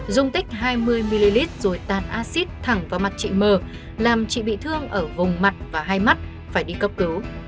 dung tích hai mươi ml rồi tàn acid thẳng vào mặt chị mờ làm chị bị thương ở vùng mặt và hai mắt phải đi cấp cứu